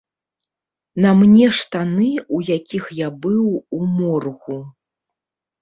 На мне штаны, у якіх я быў у моргу.